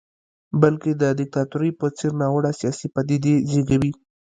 بلکې د دیکتاتورۍ په څېر ناوړه سیاسي پدیدې زېږوي.